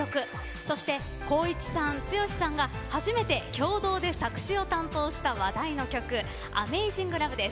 そして光一さん、剛さんが初めて共同で作詞を担当した話題の曲「ＡｍａｚｉｎｇＬｏｖｅ」です。